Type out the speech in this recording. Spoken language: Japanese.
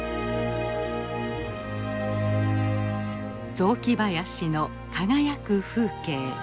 雑木林の輝く風景。